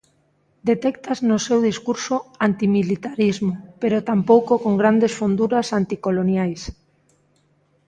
Detectas no seu discurso antimilitarismo, pero tampouco con grandes fonduras anticoloniais.